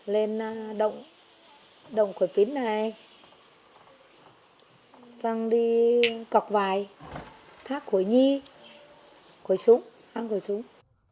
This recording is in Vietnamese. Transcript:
lên đồng khuẩy phín này sang đi cọc vài thác khuẩy nhi khuẩy súng